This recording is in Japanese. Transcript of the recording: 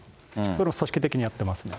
それを組織的にやってますね。